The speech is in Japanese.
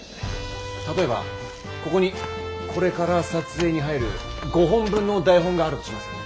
例えばここにこれから撮影に入る５本分の台本があるとしますよね。